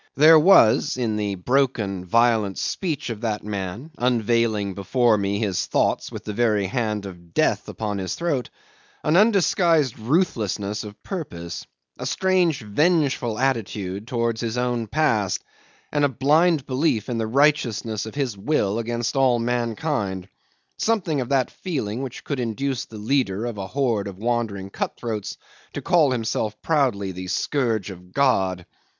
There was in the broken, violent speech of that man, unveiling before me his thoughts with the very hand of Death upon his throat, an undisguised ruthlessness of purpose, a strange vengeful attitude towards his own past, and a blind belief in the righteousness of his will against all mankind, something of that feeling which could induce the leader of a horde of wandering cut throats to call himself proudly the Scourge of God.